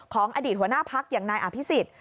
ของอดีตหัวหน้าพักอย่างนายอภิษฎ